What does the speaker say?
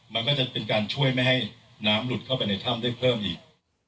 มันก็จะเป็นการช่วยไม่ให้น้ำหลุดเข้าไปในถ้ำได้เพิ่มอีก